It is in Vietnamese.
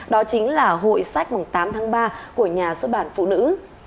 đó chính là hội sách tám tháng ba của nhà xuất bản phụ nữ